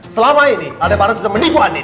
selama ini aldebaran sudah menipu andin